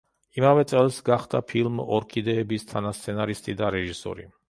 იმავე წელს გახდა ფილმ „ორქიდეების“ თანასცენარისტი და რეჟისორი.